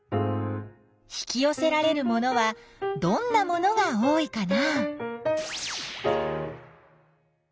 引きよせられるものはどんなものが多いかな？